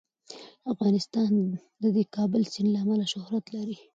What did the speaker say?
افغانستان د د کابل سیند له امله شهرت لري.